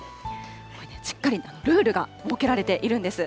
これね、しっかりルールが設けられているんです。